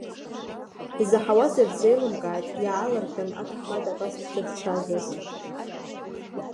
Изаҳауаз ирзеилымкааит, иаалырҟьаны аҭаҳмада абас дзырцәажәаз.